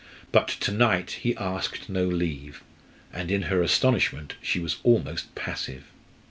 But to night he asked no leave, and in her astonishment she was almost passive.